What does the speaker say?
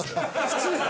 普通。